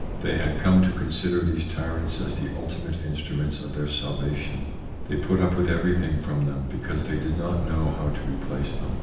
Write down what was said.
They had come to consider these tyrants as the ultimate instruments of their salvation. They put up with everything from them, because they did not know how to replace them.